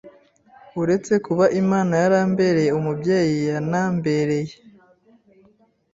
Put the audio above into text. uretse kuba Imana yarambereye umubyeyi yanambereye